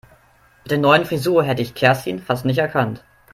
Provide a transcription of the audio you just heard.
Mit der neuen Frisur hätte ich Kerstin fast nicht erkannt.